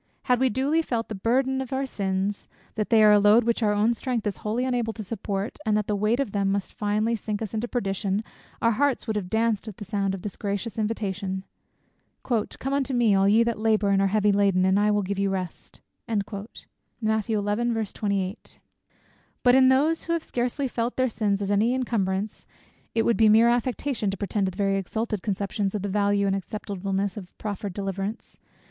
Had we duly felt the burthen of our sins, that they are a load which our own strength is wholly unable to support, and that the weight of them must finally sink us into perdition, our hearts would have danced at the sound of the gracious invitation, "Come unto me, all ye that labour and are heavy laden, and I will give you rest." But in those who have scarcely felt their sins as any incumbrance, it would be mere affectation to pretend to very exalted conceptions of the value and acceptableness of the proffered deliverance.